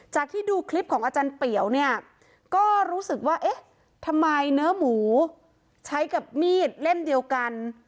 ที่ดูคลิปของอาจารย์เปี๋วเนี่ยก็รู้สึกว่าเอ๊ะทำไมเนื้อหมูใช้กับมีดเล่มเดียวกัน